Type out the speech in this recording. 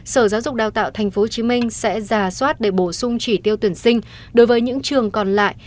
sở giáo dục đào tạo tp hcm sẽ giả soát để bổ sung chỉ tiêu tuyển sinh đối với những trường còn lại